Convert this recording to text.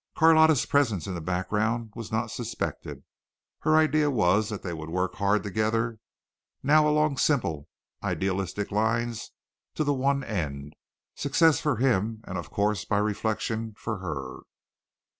Carlotta's presence in the background was not suspected. Her idea was that they would work hard together now along simple, idealistic lines to the one end success for him, and of course, by reflection, for her.